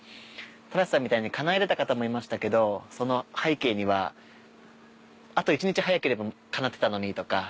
正さんみたいに叶えられた方もいましたけどその背景にはあと一日早ければ叶ってたのにとか。